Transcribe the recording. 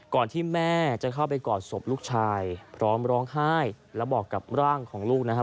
ก่อนที่แม่จะเข้าไปกอดศพลูกชายพร้อมร้องไห้และบอกกับร่างของลูกนะครับ